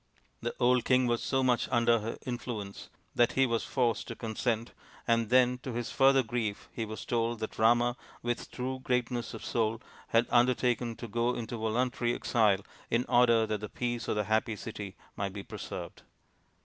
The old king was so much under her influence that he was forced to consent, and then to his further grief he was told that Rama, with true greatness of soul, had undertaken to go into voluntary exile in order that the peace of the happy city might be preserved.